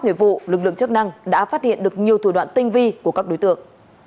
nghiệp vụ lực lượng chức năng đã phát hiện được nhiều thủ đoạn tinh vi của các đối tượng